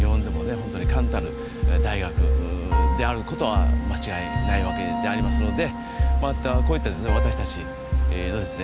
ホントに冠たる大学であることは間違いないわけでありますのでまたこういった私達のですね